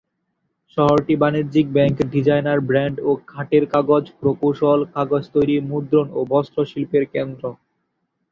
শহরটি বাণিজ্যিক bank, designer brand ও কাঠের কাজ, প্রকৌশল, কাগজ তৈরি, মুদ্রণ ও বস্ত্র শিল্পের কেন্দ্র।